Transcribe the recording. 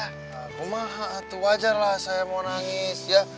nah kumah itu wajar lah saya mau nangis ya